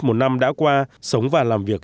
một năm đã qua sống và làm việc